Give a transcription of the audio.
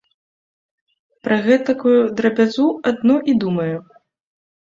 Пра гэтакую драбязу адно і думае.